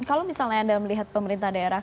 kalau misalnya anda melihat pemerintah daerah